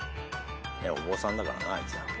お坊さんだからなあいつは。